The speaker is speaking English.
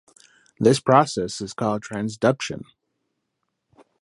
This process is called transduction.